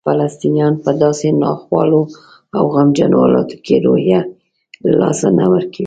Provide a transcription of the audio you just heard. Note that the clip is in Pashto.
فلسطینیان په داسې ناخوالو او غمجنو حالاتو کې روحیه له لاسه نه ورکوي.